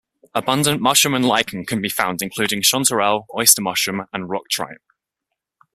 Abundant mushroom and lichen can be found including chanterelle, oyster mushroom and rock tripe.